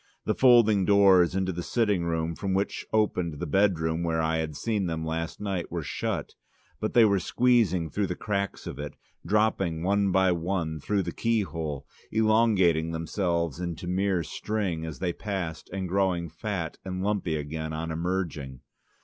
The folding doors into the sitting room from which opened the bedroom where I had seen them last night were shut, but they were squeezing through the cracks of it and dropping one by one through the keyhole, elongating themselves into mere string as they passed, and growing fat and lumpy again on emerging.